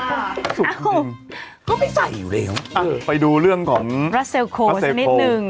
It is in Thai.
อ้าวเขาไปใส่อยู่แล้วอ่ะไปดูเรื่องของรัสเซลโคสักนิดหนึ่ง